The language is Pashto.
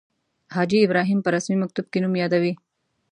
حاجي ابراهیم په رسمي مکتوب کې نوم یادوي.